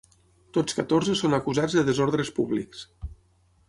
Tots catorze són acusats de desordres públics.